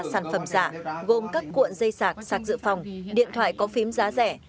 sản phẩm giả gồm các cuộn dây sạc sạc dự phòng điện thoại có phím giá rẻ